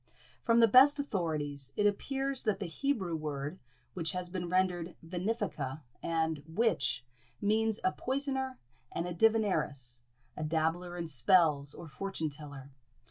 From the best authorities, it appears that the Hebrew word, which has been rendered venefica and witch, means a poisoner and divineress, a dabbler in spells, or fortune teller.